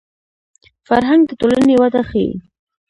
فرهنګ د ټولنې وده ښيي